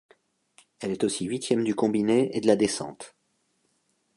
Elle est aussi huitième du combiné et de la descente.